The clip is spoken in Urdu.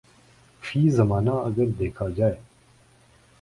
فی زمانہ اگر دیکھا جائے